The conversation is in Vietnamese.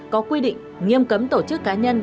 có quy định nghiêm cấm tổ chức cá nhân